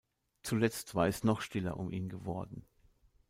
Zuletzt war es noch stiller um ihn geworden.